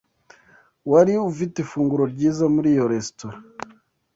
Wari ufite ifunguro ryiza muri iyo resitora?